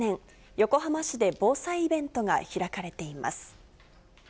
横浜市で防災イベントが開かれています。